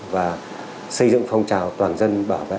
và xây dựng phong trào toàn dân